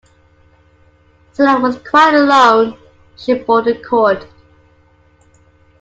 Celia was quite alone when she bought the cord.